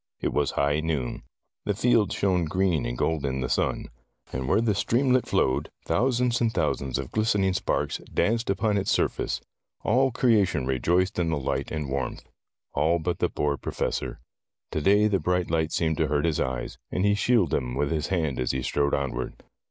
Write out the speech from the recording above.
It was high noon. The fields shone green and gold in the sun, and where the stream (F. II) THE BRIDAL PROCESSION A. Muller Tales of Modern Germany ii let flowed, thousands and thousands of glistening sparks danced upon its sur face. All creation rejoiced in the light and warmth. All but the poor Professor. To day the bright light seemed to hurt his eyes, and he shielded them with his hand as he strode onward.